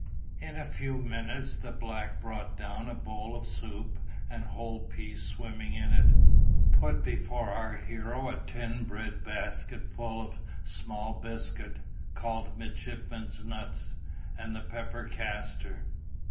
In a few minutes the black brought down a bowl of soup and whole peas swimming in it, put before our hero a tin bread basket full of small biscuit, called midshipmen's nuts, and the pepper caster.